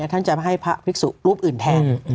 ท่านจะมาให้พระภิกษุรูปอื่นแทน